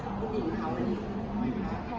หอมอยู่นี่แล้วเพื่อจะปร่งกวก